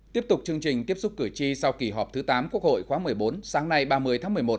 tiếp tục chương trình tiếp xúc cử tri sau kỳ họp thứ tám quốc hội khóa một mươi bốn sáng nay ba mươi tháng một mươi một